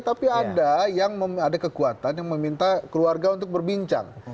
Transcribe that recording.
tapi ada yang ada kekuatan yang meminta keluarga untuk berbincang